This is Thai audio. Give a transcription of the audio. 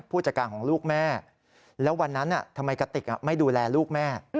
ผู้จัดการของลูกแม่แล้ววันนั้นทำไมกติกไม่ดูแลลูกแม่